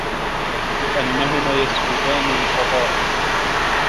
لِأَنَّهُمَا يَسْلُبَانِ الْفَضَائِلَ